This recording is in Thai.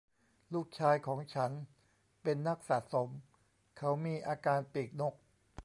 ลูกชายของฉันเป็นนักสะสม : เขามีอาการปีกนก